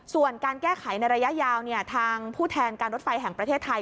ส่วนการแก้ไขในระยะยาวทางผู้แทนการรถไฟแห่งประเทศไทย